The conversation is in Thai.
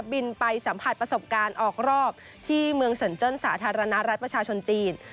บินไปสัมผัสประสบการณ์ออกรอบที่เมืองเซินเจิ้นสาธารณรัฐประชาชนจีน